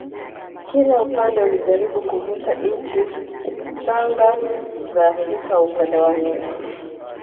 kila upande ulijaribu kuvuta nchi changa za Afrika upande wake